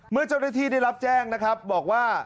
เมื่อเจ้าหน้าที่ได้รับแจ้งนะครับบอกว่า